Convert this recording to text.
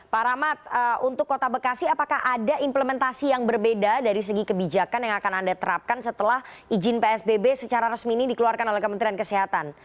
pak rahmat untuk kota bekasi apakah ada implementasi yang berbeda dari segi kebijakan yang akan anda terapkan setelah izin psbb secara resmi ini dikeluarkan oleh kementerian kesehatan